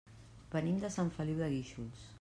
Venim de Sant Feliu de Guíxols.